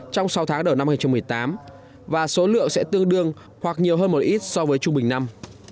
trong sáu tháng đầu năm hai nghìn một mươi tám và số lượng sẽ tương đương hoặc nhiều hơn một ít so với trung bình năm